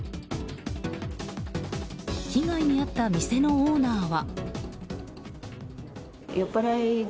被害に遭った店のオーナーは。